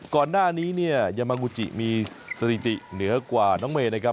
ก่อนหน้านี้เนี่ยยามากูจิมีสถิติเหนือกว่าน้องเมย์นะครับ